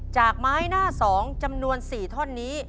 จากไม้หน้า๒จำนวน๔ท่อนนี้